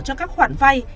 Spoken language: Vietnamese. cho các khoản vay